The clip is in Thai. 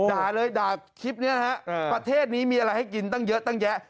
ด่าเลยด่าคลิปนี้นะฮะประเทศนี้มีอะไรให้กินตั้งเยอะตั้งแยะ